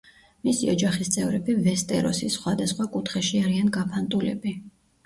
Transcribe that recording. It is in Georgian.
მისი ოჯახის წევრები ვესტეროსის სხვადასხვა კუთხეში არიან გაფანტულები.